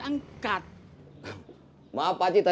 emang kamu juga